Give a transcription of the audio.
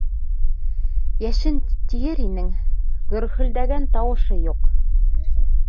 Йәшен тиер инең, гөрһөлдәгән тауышы юҡ.